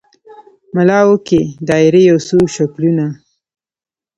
ملا وکښې دایرې یو څو شکلونه